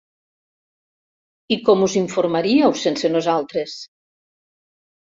I com us informaríeu, sense nosaltres?